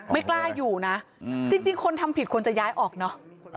ไม่กล้าอยู่นะจริงคนทำผิดควรจะย้ายออกเนอะ